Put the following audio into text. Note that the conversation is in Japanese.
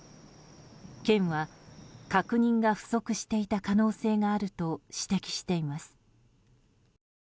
県は確認が不足していた可能性があると指摘しています。